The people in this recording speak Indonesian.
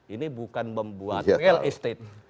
ini bukan membuat real estate